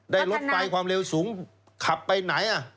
รถไฟความเร็วสูงขับไปไหน